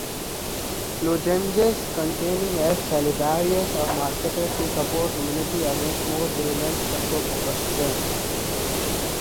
Lozenges containing S. salivarius are marketed to support immunity against more virulent Streptococcus strains.